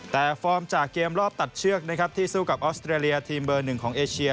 แต่ฟอร์มจากเกมรอบตัดเชือกนะครับที่สู้กับออสเตรเลียทีมเบอร์หนึ่งของเอเชีย